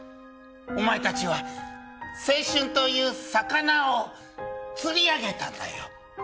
お前たちは青春という魚を釣り上げたんだよ。